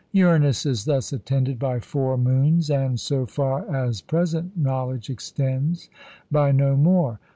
Uranus is thus attended by four moons, and, so far as present knowledge extends, by no more.